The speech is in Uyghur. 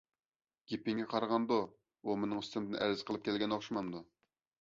گېپىڭگە قارىغاندۇ ئۇ مېنىڭ ئۈستۈمدىن ئەرز ئېيتىپ كەلگەن ئوخشىمامدۇ؟